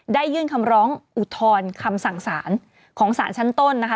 ยื่นคำร้องอุทธรณ์คำสั่งสารของสารชั้นต้นนะคะ